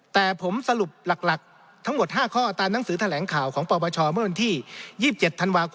แต่ผมสรุปหลักทั้งหมด๕ข้อตามหนังสือแถลงข่าวของปปชมท๒๗ธค๒๕๖๑